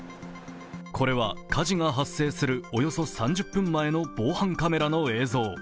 これは火事が発生するおよそ３０分前の防犯カメラの映像。